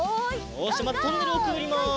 よしまずトンネルをくぐります。